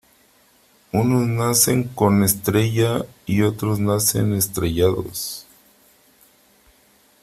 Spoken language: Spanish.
Unos nacen con estrella y otros nacen estrellados.